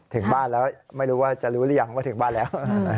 ถึงบ้านแล้วไม่รู้ว่าจะรู้หรือยังว่าถึงบ้านแล้ว